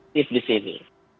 tips di sini